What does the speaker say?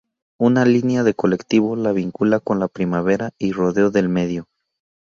Una línea de colectivo la vincula con La Primavera y Rodeo del Medio.